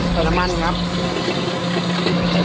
ใส่ละมันครับ